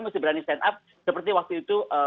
masih berani stand up seperti waktu itu